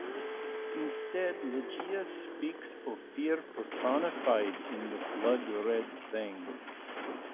Instead, Ligeia speaks of fear personified in the blood-red thing.